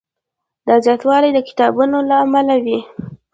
دا زیاتوالی د کتابونو له امله و.